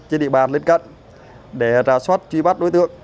trên địa bàn lên cận để ra soát truy bắt đối tượng